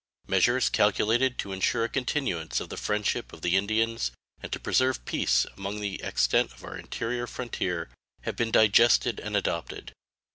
Measures calculated to insure a continuance of the friendship of the Indians and to preserve peace along the extent of our interior frontier have been digested and adopted.